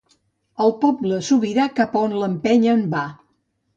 El poble sobirà cap on l'empenyen va.